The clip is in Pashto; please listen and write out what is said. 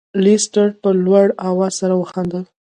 لیسټرډ په لوړ اواز سره وخندل.